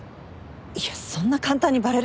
いやそんな簡単にバレるとは。